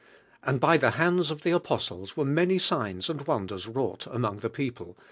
"And by the hands of the applies were many signs and wonders wrought among the people ...